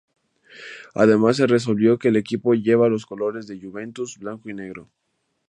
Además, se resolvió que el equipo llevara los colores de Juventus, blanco y negro.